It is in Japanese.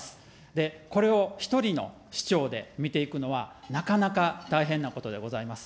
で、これを１人の市長で見ていくのは、なかなか大変なことでございます。